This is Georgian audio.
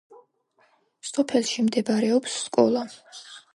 სოფელში მდებარეობს სკოლა.